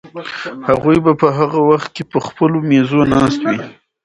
هغوی به په هغه وخت کې په خپلو مېزو ناست وي.